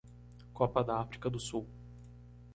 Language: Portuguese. Copa da África do Sul.